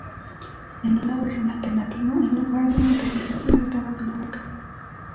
En una versión alternativa, en lugar de un ternero se trataba de una vaca.